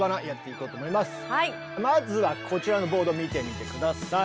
まずはこちらのボード見てみて下さい。